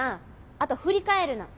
あと「振り返るな」。